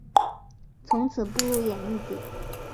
从此步入演艺界。